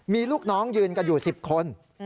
มีลูกน้องยืนกันอยู่๑๐คน